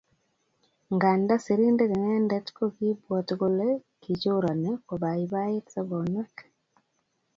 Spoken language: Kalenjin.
Nganda sirindet inendet ko kiibwati kole kichorani kobaibait sobonwek